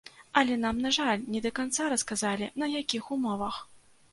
Але нам, на жаль, не да канца расказалі, на якіх умовах.